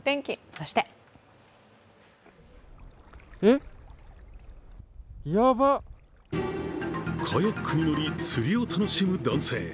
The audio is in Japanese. そしてカヤックに乗り釣りを楽しむ男性。